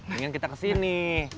mungkin kita ke sini